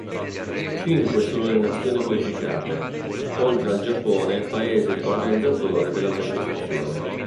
Cinque sono le nazionali qualificate, oltre al Giappone paese organizzatore della manifestazione.